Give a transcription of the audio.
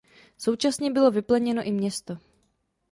Současně bylo vypleněno i město.